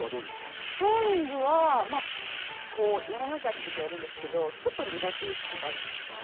ソーイングはまあやらなきゃってときはやるんですけどちょっと苦手意識があるかもしれないです。